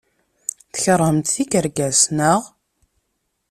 Tkeṛhemt tikerkas, naɣ?